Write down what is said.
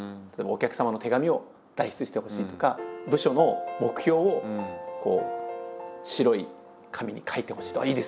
例えばお客様の手紙を代筆してほしいとか部署の目標を白い紙に書いてほしいとか。